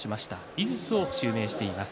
井筒を襲名しています。